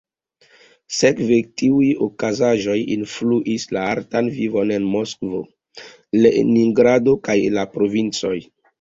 Sekve, tiuj okazaĵoj influis la artan vivon en Moskvo, Leningrado, kaj la provincoj.